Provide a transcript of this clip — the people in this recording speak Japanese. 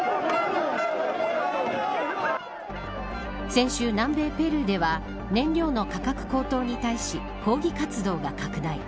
先週、南米ペルーでは燃料の価格高騰に対し抗議活動が拡大。